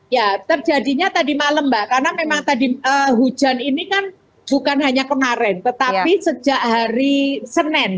ya terjadinya tadi malam mbak karena memang tadi hujan ini kan bukan hanya kemarin tetapi sejak hari senin